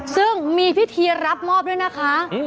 ซึ่งมีพิธีรับมอบด้วยนะคะ